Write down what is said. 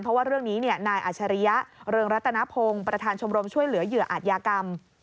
เพราะว่าเรื่องนี้นายอัชริยะเริงรัตนพงศ์ประธานชมรมช่วยเหลือเหยื่ออาจยากรรม